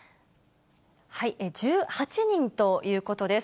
１８人ということです。